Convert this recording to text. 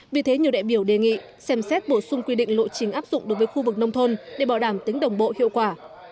vì thế nhiều đại biểu đề nghị xem xét bổ sung quy định lộ trình áp dụng đối với khu vực nông thôn để bảo đảm tính đồng bộ hiệu quả